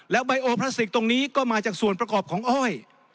ใบโอพลาสติกตรงนี้ก็มาจากส่วนประกอบของอ้อย